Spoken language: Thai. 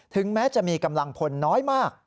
แม้จะมีกำลังพลน้อยมาก